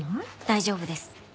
大丈夫です。